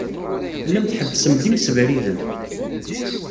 Tellam tḥebbsem-d imsebriden.